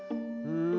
うん。